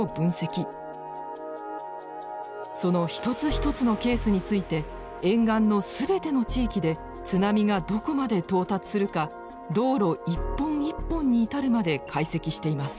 その一つ一つのケースについて沿岸の全ての地域で津波がどこまで到達するか道路一本一本に至るまで解析しています。